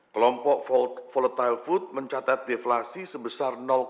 kelompok volatile food mencatat deflasi sebesar dua di bulan agustus dua ribu enam belas